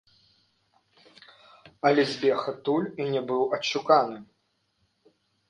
Але збег адтуль і не быў адшуканы.